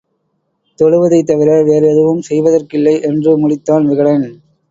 தொழுவதைத் தவிர வேறு எதுவும் செய்வதற்கில்லை! என்று முடித்தான் விகடன்.